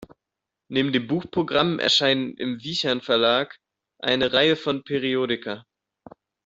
Neben dem Buchprogramm erscheinen im Wichern-Verlag eine Reihe von Periodika.